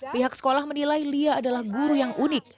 pihak sekolah menilai lia adalah guru yang unik